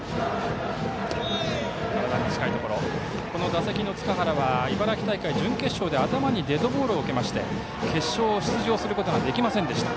この打席の塚原は茨城大会準決勝で頭にデッドボールを受けて決勝に出場できませんでした。